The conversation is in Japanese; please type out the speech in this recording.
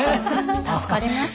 助かりました。